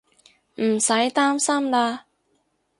唔使擔心喇